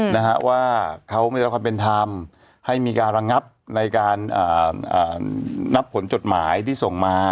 นะฮะว่าเขาไม่ได้รับความเป็นธรรมให้มีการระงับในการอ่านับผลจดหมายที่ส่งมา